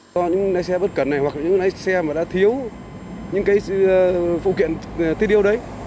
do những lái xe bất cẩn này hoặc là những lái xe mà đã thiếu những cái phụ kiện thiết yếu đấy